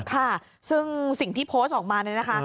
ค่ะซึ่งสิ่งที่โพสต์ออกมาเนี่ยนะคะ